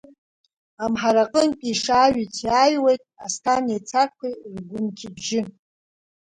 Амҳараҟынтәи ишааҩыц иааҩуеит Асҭанеи Цақәеи ргәынқьбжьы.